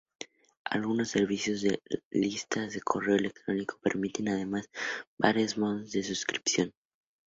Algunos servicios de listas de correo electrónico permiten además varios modos de suscripción.